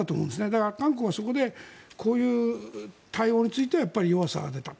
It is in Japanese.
だから、韓国はそこでこういう対応については弱さが出た。